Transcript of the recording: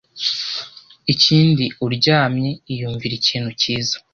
Ikindi uryamye, iyumvire ikintu cyiza